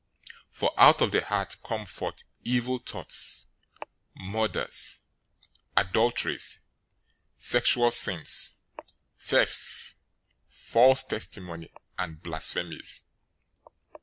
015:019 For out of the heart come forth evil thoughts, murders, adulteries, sexual sins, thefts, false testimony, and blasphemies.